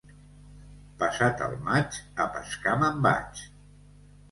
Passat el maig, a pescar me'n vaig.